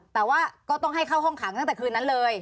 แต่ว่าก็ต้องให้เข้าห้องขังตั้งแต่คืนนั้นเลย